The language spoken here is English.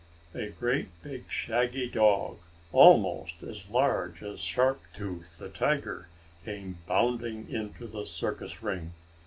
A great big, shaggy dog, almost as large as Sharp Tooth, the tiger, came bounding into the circus ring.